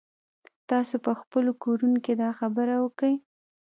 تاسو په خپلو کورونو کښې دا خبره وکئ.